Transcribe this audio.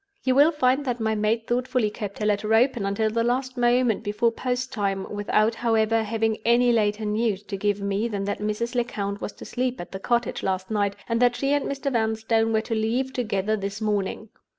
You will find that my maid thoughtfully kept her letter open until the last moment before post time—without, however, having any later news to give me than that Mrs. Lecount was to sleep at the cottage last night and that she and Mr. Vanstone were to leave together this morning.